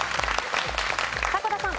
迫田さん。